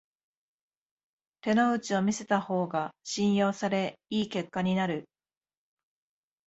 手の内を見せた方が信用され良い結果になる